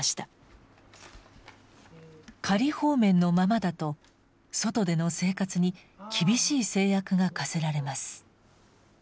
仮放免のままだと外での生活に厳しい制約が課せられます。